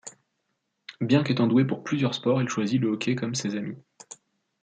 Bien qu'étant doué pour plusieurs sports, il choisit le hockey comme ses amis.